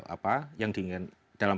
apa yang diinginkan dalam